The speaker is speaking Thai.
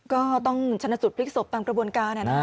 ก็ต้องชนะสุดพลิกศพตามกระบวนการ